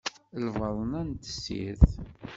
Lbaḍna n at tessirt.